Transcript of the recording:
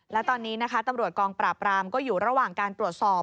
และตอนนี้นะคะตำรวจกองปราบรามก็อยู่ระหว่างการตรวจสอบ